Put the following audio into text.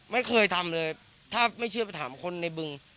ไม่เคยทำเลยถ้าไม่เชื่อไปถามคนในบึง